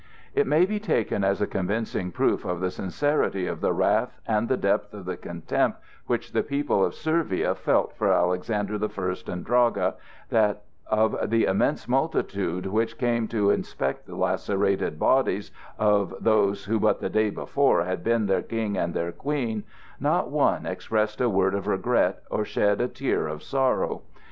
It may be taken as a convincing proof of the sincerity of the wrath and the depth of the contempt which the people of Servia felt for Alexander I and Draga, that of the immense multitude which came to inspect the lacerated bodies of those who but the day before had been their King and their Queen, not one expressed a word of regret, or shed a tear of sorrow.